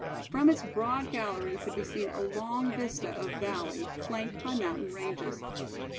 From its broad gallery could be seen a long vista of valley, flanked by mountain ranges.